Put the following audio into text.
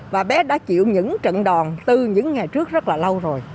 và bé đã chịu những trận đòn từ những ngày trước rất là lâu rồi